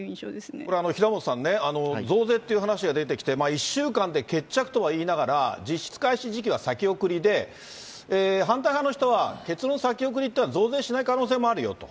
これ、平本さんね、増税っていう話が出てきて、１週間で決着とは言いながら、実質開始時期は先送りで、反対派の人は、結論先送りというのは増税しない可能性もあるよと。